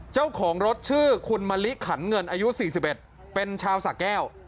เจ้าของรถชื่อคุณมะลิขันเงินอายุ๔๑เป็นชาวสะแก้ว